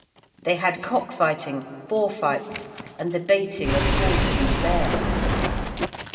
They had cock fighting, boar fights, and the baiting of bulls and bears.